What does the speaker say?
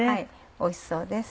おいしそうです。